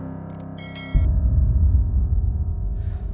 jadi dikira dia nyurik motor